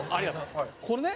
これね